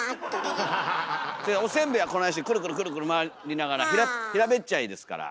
でおせんべいはこないしてくるくる回りながら平べっちゃいですから。